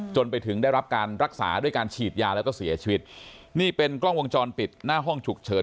จนไปถึงได้รับการรักษาด้วยการฉีดยาแล้วก็เสียชีวิตนี่เป็นกล้องวงจรปิดหน้าห้องฉุกเฉิน